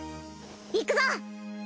行くぞ！